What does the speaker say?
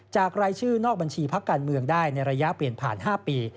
รายชื่อนอกบัญชีพักการเมืองได้ในระยะเปลี่ยนผ่าน๕ปี